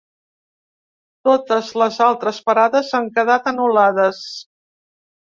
Totes les altres parades han quedat anul·lades.